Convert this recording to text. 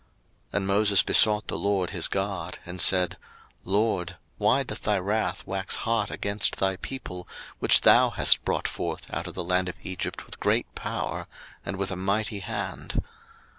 02:032:011 And Moses besought the LORD his God, and said, LORD, why doth thy wrath wax hot against thy people, which thou hast brought forth out of the land of Egypt with great power, and with a mighty hand?